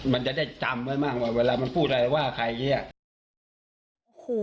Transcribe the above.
มันจะได้จำไว้มากว่าเวลามันพูดอะไรว่าใคร